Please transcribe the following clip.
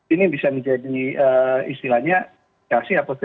ini bisa menjadi istilahnya